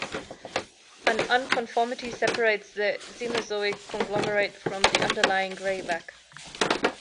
An unconformity separates the Cenozoic conglomerate from the underlying graywacke.